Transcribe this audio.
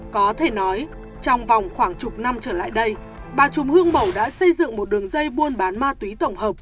có thể nói trong vòng khoảng chục năm trở lại đây bà chùm hương bẩu đã xây dựng một đường dây buôn bán ma túy tổng hợp